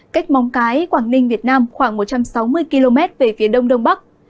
cách mong cái quảng ninh việt nam khoảng một trăm sáu mươi km về phía đông đông bắc